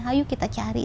hayuk kita cari